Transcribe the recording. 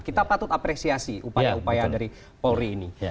kita patut apresiasi upaya upaya dari polri ini